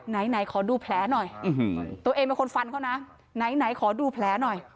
ไหนไหนขอดูแผลหน่อยตัวเองเป็นคนฟันเขานะไหนขอดูแผลหน่อย